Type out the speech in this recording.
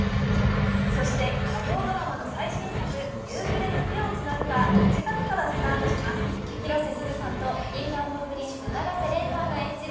そして火曜ドラマの最新作「夕暮れに、手をつなぐ」が１月からスタートします広瀬すずさんとＫｉｎｇ＆Ｐｒｉｎｃｅ永瀬廉さんが演じる